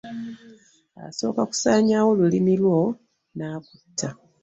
Asooka kusaanyaawo lulimi lwo n'akutta.